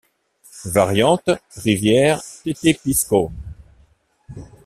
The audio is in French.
Variante : Rivière Tétépiskaw.